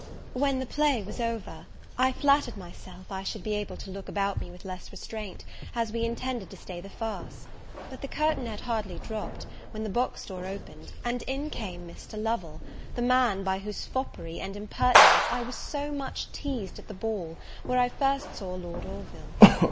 When the play was over, I flattered myself I should be able to look about me with less restraint, as we intended to stay the farce; but the curtain had hardly dropped, when the box door opened, and in came Mr. Lovel, the man by whose foppery and impertinence I was so much teased at the ball where I first saw Lord Orville.